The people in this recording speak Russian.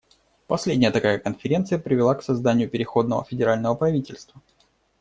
Последняя такая конференция привела к созданию переходного федерального правительства.